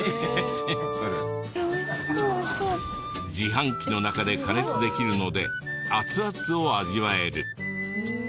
自販機の中で加熱できるのでアツアツを味わえる。